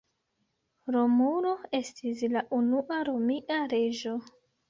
Romulo estis la unua Romia reĝo.